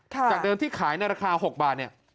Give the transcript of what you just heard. จากเดิมที่ขายในราคา๖บาทเนี่ย